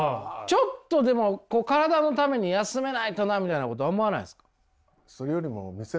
ちょっとでも体のために休めないとなみたいなこと思わないんですか？